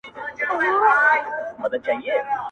ته تر اوسه لا د فیل غوږ کي بیده یې،